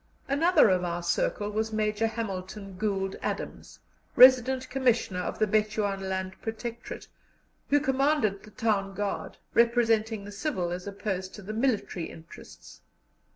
Another of our circle was Major Hamilton Gould Adams, Resident Commissioner of the Bechuanaland Protectorate, who commanded the town guard, representing the civil as opposed to the military interests.